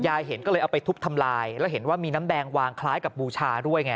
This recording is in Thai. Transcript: เห็นก็เลยเอาไปทุบทำลายแล้วเห็นว่ามีน้ำแดงวางคล้ายกับบูชาด้วยไง